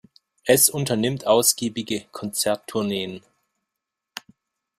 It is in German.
Es unternimmt ausgiebige Konzerttourneen.